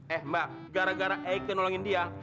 eh mbak gara gara eka nolongin dia